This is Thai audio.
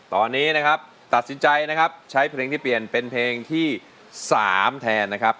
ตอนนี้นะครับตัดสินใจนะครับใช้เพลงที่เปลี่ยนเป็นเพลงที่๓แทนนะครับ